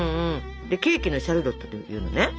ケーキの「シャルロット」っていうのはね